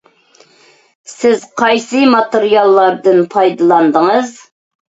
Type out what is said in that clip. سىز قايسى ماتېرىياللاردىن پايدىلاندىڭىز؟